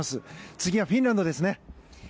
次はフィンランドですね。